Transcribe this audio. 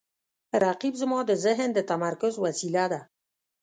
رقیب زما د ذهن د تمرکز وسیله ده